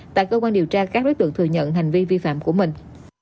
tại cơ quan điều tra các đối tượng thừa nhận hành vi vi phạm của mình